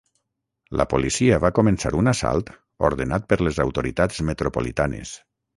La policia va començar un assalt ordenat per les autoritats metropolitanes.